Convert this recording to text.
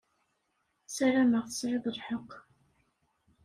Sarameɣ tesεiḍ lḥeqq.